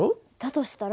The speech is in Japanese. としたら